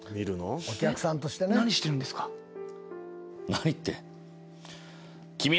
何って。